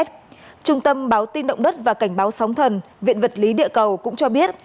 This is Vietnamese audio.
trung tâm báo tin động đất và cảnh báo sóng thần viện vật lý địa cầu cũng cho biết